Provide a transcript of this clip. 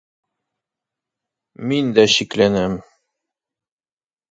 Мин дә шикләнәм!